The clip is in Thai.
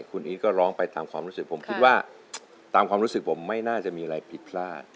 คุณอีทก็ร้องไปตามความรู้สึกผมคิดว่าตามความรู้สึกผมไม่น่าจะมีอะไรผิดพลาด